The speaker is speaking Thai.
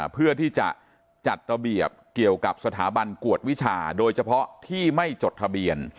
เพื่อที่จะจัดระเบียบเกี่ยวกับสถาบันกวดวิชาโดยเฉพาะที่ไม่จดทะเบียน